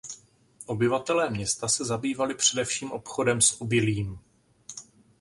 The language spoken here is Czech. Obyvatelé města se zabývali především obchodem s obilím.